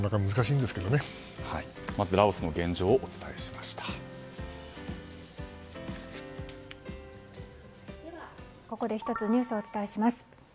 では、ここで１つニュースをお伝えします。